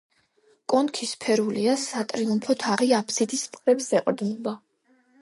კონქი სფერულია სატრიუმფო თაღი აბსიდის მხრებს ეყრდნობა.